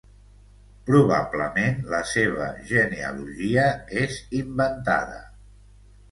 Probablement la seva genealogia és inventada.